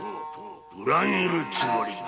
裏切るつもりか。